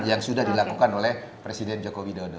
yang sudah dilakukan oleh presiden joko widodo